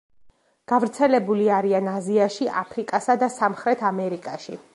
გავრცელებული არიან აზიაში, აფრიკასა და სამხრეთ ამერიკაში.